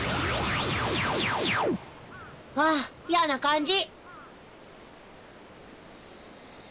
ああやな感じ！